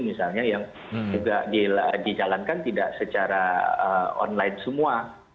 misalnya yang juga dijalankan tidak secara online semua